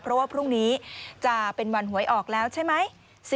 เพราะว่าพรุ่งนี้จะเป็นวันหวยออกแล้วใช่ไหม